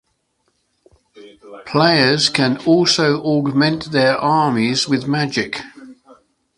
Players can also augment their armies with magic.